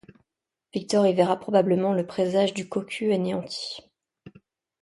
Victor y verra probablement le présage du cocu anéanti...